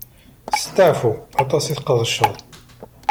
Steɛfu aṭas i tqedceḍ.